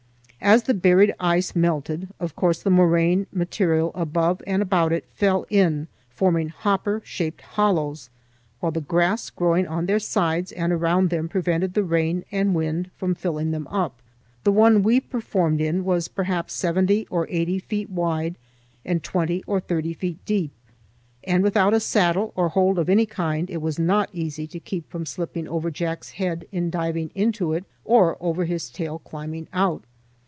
As the buried ice melted, of course the moraine material above and about it fell in, forming hopper shaped hollows, while the grass growing on their sides and around them prevented the rain and wind from filling them up. The one we performed in was perhaps seventy or eighty feet wide and twenty or thirty feet deep; and without a saddle or hold of any kind it was not easy to keep from slipping over Jack's head in diving into it, or over his tail climbing out.